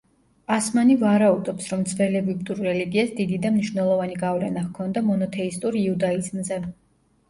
ასმანი ვარაუდობს, რომ ძველეგვიპტურ რელიგიას დიდი და მნიშვნელოვანი გავლენა ჰქონდა მონოთეისტურ იუდაიზმზე.